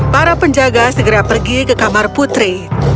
para penjaga segera pergi ke kamar putri